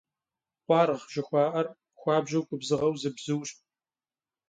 Khuarğ jjıxua'er xuabju gubzığeu zı bzuş.